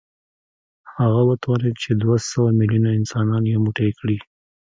هغه وتوانېد چې دوه سوه ميليونه انسانان يو موټی کړي.